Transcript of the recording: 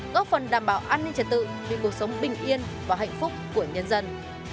góp phần đảm bảo an ninh trật tự vì cuộc sống bình yên và hạnh phúc của nhân dân